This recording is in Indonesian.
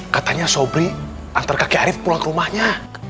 katanya sobri antar kakek arief pulang ke rumahnya